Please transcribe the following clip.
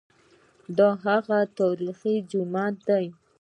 دا هغه تاریخي جومات دی.